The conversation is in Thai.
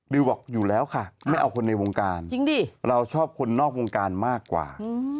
บอกอยู่แล้วค่ะไม่เอาคนในวงการจริงดิเราชอบคนนอกวงการมากกว่า